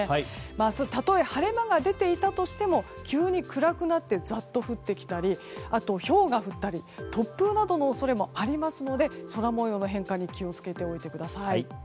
明日、たとえ晴れ間が出ていたとしても急に暗くなってざっと降ってきたりひょうが降ったり突風などの恐れもありますので空模様の変化に気を付けておいてください。